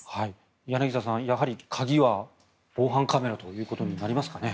柳澤さんやはり鍵は防犯カメラということになりますかね。